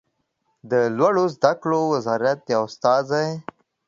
د لوړو زده کړو وزارت یو استازی